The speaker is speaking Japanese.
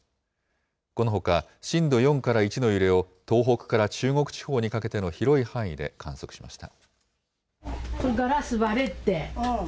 このほか、震度４から１の揺れを東北から中国地方にかけての広い範囲で観測しました。